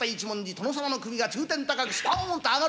殿様の首が中天高くスポーンと上がる。